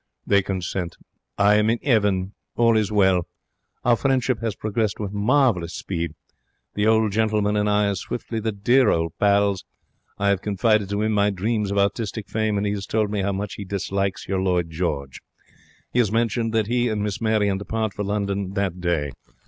They consent. I am in 'eaven. All is well. Our friendship has progressed with marvellous speed. The old gentleman and I are swiftly the dear old pals. I 'ave confided to 'im my dreams of artistic fame, and he has told me 'ow much he dislikes your Lloyd George. He has mentioned that he and Miss Marion depart for London that day.